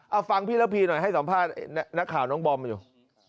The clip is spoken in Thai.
เอาฟังพี่ระพีหน่อยให้สัมภาษณ์นักข่าวน้องบอมอยู่